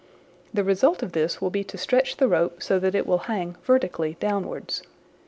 The result of this will be to strech the rope so that it will hang " vertically " downwards.